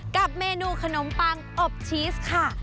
กับเมนูขนมปังอบชีสค่ะ